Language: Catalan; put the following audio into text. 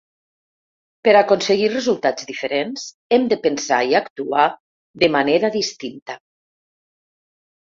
Per aconseguir resultats diferents, hem de pensar i actuar de manera distinta.